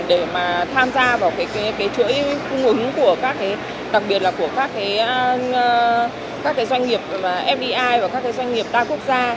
để mà tham gia vào cái chuỗi cung ứng của các cái đặc biệt là của các cái doanh nghiệp fdi và các cái doanh nghiệp đa quốc gia